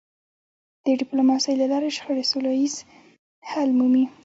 د ډيپلوماسی له لارې شخړې سوله ییز حل مومي.